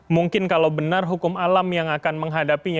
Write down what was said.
mungkin kalau benar hukum alam yang akan menghadapinya